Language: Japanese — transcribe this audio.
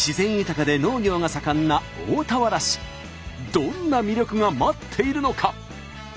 どんな魅力が待っているのか？